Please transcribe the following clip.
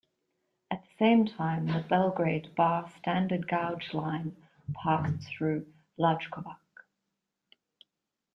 At the same time, the Belgrade-Bar standard gauge line passed through Lajkovac.